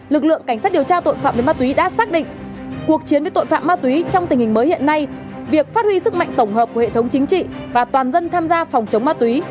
lực lượng cảnh sát điều tra tội phạm về ma túy đã xác định cuộc chiến với tội phạm ma túy trong tình hình mới hiện nay việc phát huy sức mạnh tổng hợp của hệ thống chính trị và toàn dân tham gia phòng chống ma túy